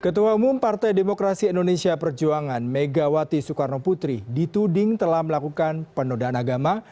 ketua umum partai demokrasi indonesia perjuangan megawati soekarno putri dituding telah melakukan penodaan agama